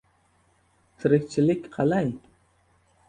— Tirikchilik qalay?